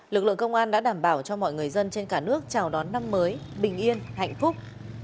lực lượng công an đã đảm bảo cho mọi người dân trên cả nước chào đón năm mới bình yên hạnh phúc